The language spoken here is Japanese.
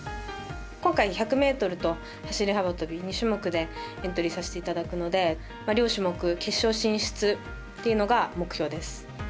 今回、１００ｍと走り幅跳び２種目でエントリーさせていただくので両種目決勝進出っていうのが目標です。